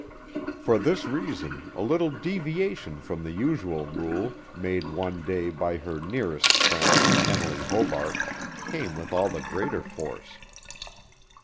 For this reason a little deviation from the usual rule, made one day by her nearest friend, Emily Hobart, came with all the greater force.